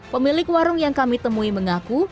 pemilik warung yang kami temui mengaku